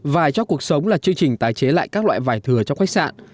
vải cho cuộc sống là chương trình tài chế lại các loại vải thừa trong khách sạn